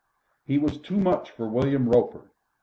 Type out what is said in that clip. He was too much for William Roper.